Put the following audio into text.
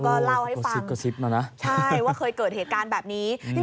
ก็เล่าให้ฟังใช่ว่าเคยเกิดเหตุการณ์แบบนี้อ๋อกระซิบกระซิบมานะ